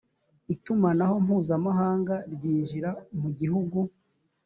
itumanaho mpuzamahanga ryinjira mu gihugu.